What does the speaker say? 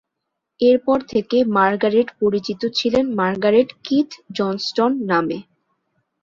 এরপর থেকে মার্গারেট পরিচিত ছিলেন মার্গারেট কিথ জনস্টন নামে।